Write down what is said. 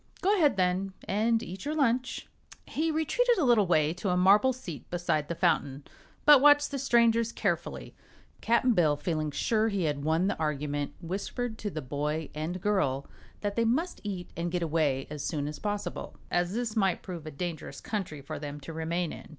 "Go ahead, then, and eat your lunch." He retreated a little way to a marble seat beside the fountain, but watched the strangers carefully. Cap'n Bill, feeling sure he had won the argument, whispered to the boy and girl that they must eat and get away as soon as possible, as this might prove a dangerous country for them to remain in.